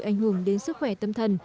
ảnh hưởng đến sức khỏe tâm thần